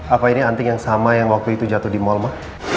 apa ini anting yang sama yang waktu itu jatuh di mal mah